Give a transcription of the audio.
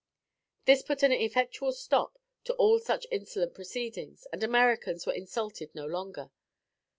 "This put an effectual stop to all such insolent proceedings, and Americans were insulted no longer.